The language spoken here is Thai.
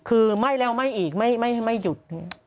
คือไหม้แล้วไหม้อีกไม่หยุด